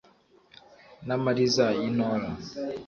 N’amariza y’i Ntora,